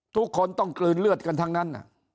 ทุกคนต้องกลืนเลือดกันทั้งนั้น